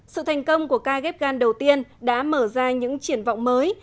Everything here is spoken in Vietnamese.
sự thành công của ca ghép gan đầu tiên đã mở ra những triển vọng mới